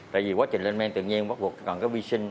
tại vì quá trình lên men tự nhiên bắt buộc còn có vi sinh